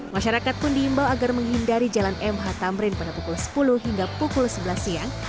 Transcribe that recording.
masyarakat pun diimbau agar menghindari jalan mh tamrin pada pukul sepuluh hingga pukul sebelas siang